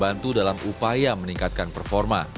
dan bantu dalam upaya meningkatkan performa